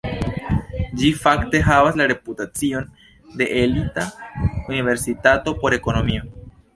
Ĝi fakte havas la reputacion de elita universitato por ekonomio.